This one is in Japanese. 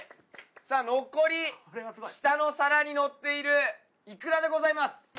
さあ残り下の皿にのっているイクラでございます。